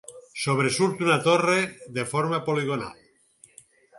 Sobresurt una torre de forma poligonal.